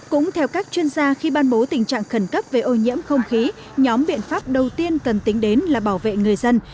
cũng theo các chuyên gia khi ban bố tình trạng khẩn cấp về ô nhiễm không khí nhóm biện pháp đầu tiên cần tính đến là bảo vệ người dân